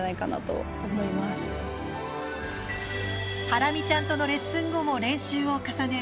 ハラミちゃんとのレッスン後も練習を重ね